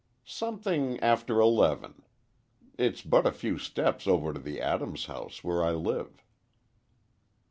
"Something after eleven. It's but a few steps over to the Adams house, where I live."